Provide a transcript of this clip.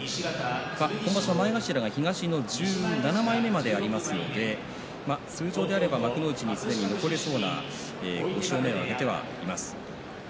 今場所、前頭が東の１７枚目までありますので通常であれば幕内にはすでに残れそうな星を挙げてはいます。